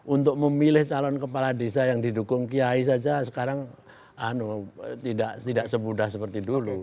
untuk memilih calon kepala desa yang didukung kiai saja sekarang tidak semudah seperti dulu